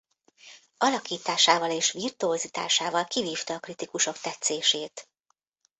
Alakításával és virtuozitásával kivívta a kritikusok tetszését.